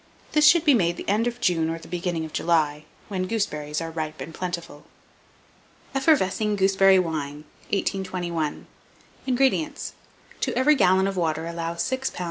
This should be made the end of June or the beginning of July, when gooseberries are ripe and plentiful. EFFERVESCING GOOSEBERRY WINE. 1821. INGREDIENTS. To every gallon of water allow 6 lbs.